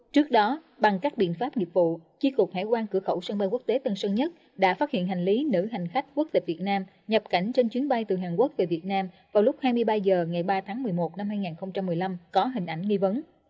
trước đó bằng các biện pháp nghiệp vụ chi cục hải quan cửa khẩu sân bay quốc tế tân sơn nhất đã phát hiện hành lý nữ hành khách quốc tịch việt nam nhập cảnh trên chuyến bay từ hàn quốc về việt nam vào lúc hai mươi ba h ngày ba tháng một mươi một năm hai nghìn một mươi năm có hình ảnh nghi vấn